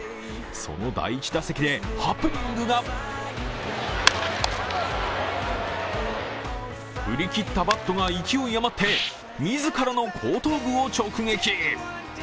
その第１打席でハプニングが振り切ったバットが勢い余って自らの後頭部を直撃。